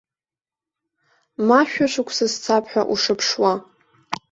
Ма шәышықәса сцап ҳәа ушыԥшуа.